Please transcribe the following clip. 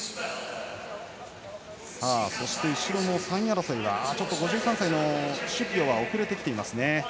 そして後ろの３位争いは５３歳のシュピオはちょっと遅れてきています。